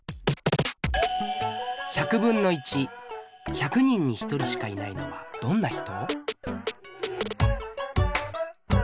１００人に１人しかいないのはどんな人？